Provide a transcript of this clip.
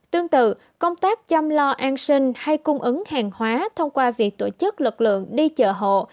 tương tự công tác chăm lo an sinh hay cung ứng hàng hóa thông qua việc tổ chức lực lượng đi chợ hộ